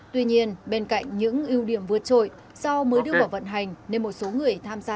tuy nhiên bên cạnh những ưu điểm vượt trội do mới đưa vào vận hành nên một số người tham gia